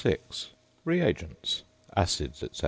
RE AGENTS. ACIDS, ETC.